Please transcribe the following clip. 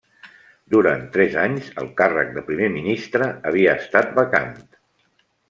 Durant tres anys el càrrec de primer ministre havia estat vacant.